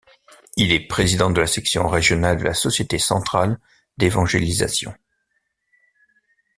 Il est président de la section régionale de la Société centrale d'évangélisation.